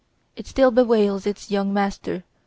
IT STILL BEWAILS ITS YOUNG MASTER.